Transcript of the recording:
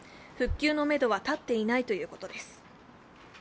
復旧のめどは立っていないということです。